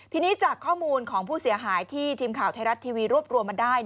ทีนี้จากข้อมูลของผู้เสียหายที่ทีมข่าวไทยรัฐทีวีรวบรวมมาได้